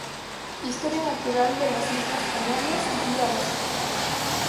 Historia Natural de las Islas Canarias: Guía Básica.